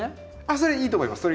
あっそれいいと思います。